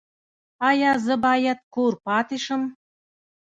ایا زه باید کور پاتې شم؟